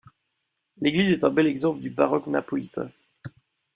L'église est un bel exemple du baroque napolitain.